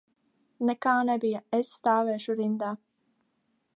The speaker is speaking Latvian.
Nekā nebija, es stāvēšu rindā.